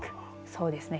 そうですね。